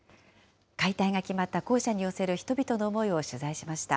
解体が決まった校舎に寄せる人々の思いを取材しました。